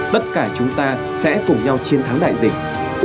tất cả chúng ta sẽ cùng nhau chiến thắng đại dịch